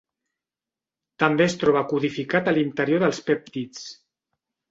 També es troba codificat a l'interior dels pèptids.